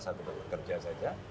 saya tetap bekerja saja